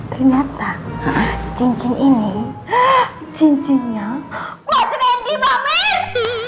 ternyata cincin ini cincinnya mas randy pak mir